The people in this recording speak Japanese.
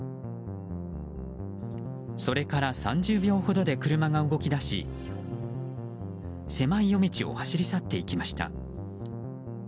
それから３０秒ほどで車が動き出し狭い夜道を走り去っていきました。